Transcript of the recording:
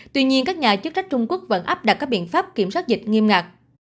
tuy nhiên các nhà chức trách trung quốc vẫn áp đặt các biện pháp kiểm soát dịch nghiêm ngặt